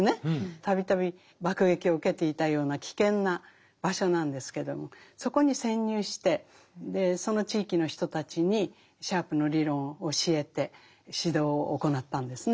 度々爆撃を受けていたような危険な場所なんですけどもそこに潜入してその地域の人たちにシャープの理論を教えて指導を行ったんですね。